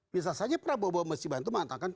misalnya saja prabowo subianto mengatakan